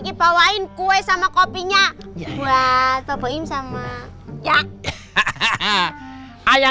ketika anak tidur itu adalah